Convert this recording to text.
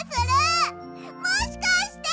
もしかして！